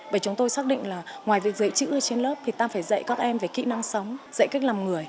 bởi chúng tôi xác định là ngoài việc dạy chữ ở trên lớp thì ta phải dạy các em về kỹ năng sống dạy cách làm người